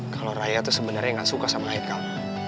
kalo raya tuh sebenernya gak suka sama haikal